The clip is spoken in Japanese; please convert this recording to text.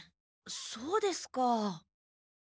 そうですか。